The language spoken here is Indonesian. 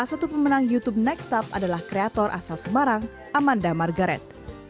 untuk youtube nextup kreator asal semarang amanda margaret